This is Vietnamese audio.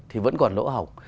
không phải là vô học